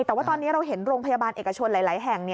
แต่ว่าตอนนี้เราเห็นโรงพยาบาลเอกชนหลายแห่ง